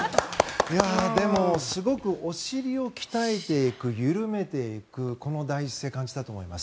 でも、すごくお尻を鍛えていく緩めていくこの大事性、感じたと思います。